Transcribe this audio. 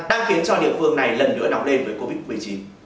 đang khiến cho địa phương này lần nữa đọc lên với covid một mươi chín